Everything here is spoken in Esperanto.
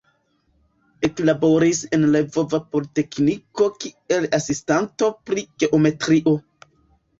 Eklaboris en Lvova Politekniko kiel asistanto pri geometrio.